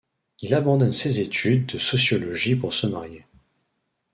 Il abandonne ses études de sociologie pour se marier.